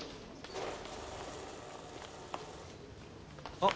あっ。